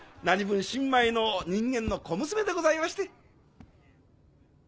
何ぶん新米の人間の小娘でございまして。